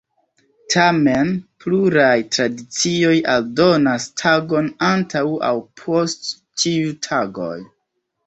Tamen, pluraj tradicioj aldonas tagon antaŭ aŭ post tiuj tagoj.